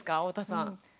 太田さん。